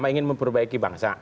kita ingin memperbaiki bangsa